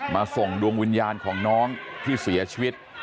ส่งดวงวิญญาณของน้องที่เสียชีวิต